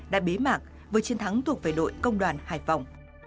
đã bế mạc với chiến thắng thuộc về đội công đoàn hải phòng